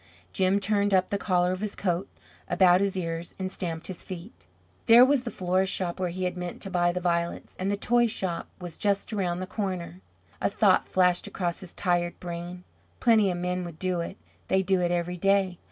Jim turned up the collar of his coat about his ears and stamped his feet. There was the florist's shop where he had meant to buy the violets, and the toy shop was just around the corner. A thought flashed across his tired brain. "Plenty of men would do it; they do it every day.